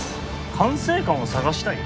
管制官を探したい？